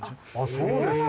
そうですか。